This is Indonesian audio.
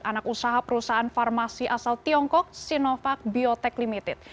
anak usaha perusahaan farmasi asal tiongkok sinovac biotech limited